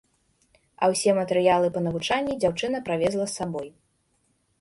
А ўсе матэрыялы па навучанні дзяўчына правезла з сабой.